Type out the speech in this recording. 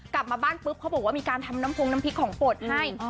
กลับมาบ้านปุ๊บเขาบอกว่ามีการทำน้ำพงน้ำพริกของโปรดให้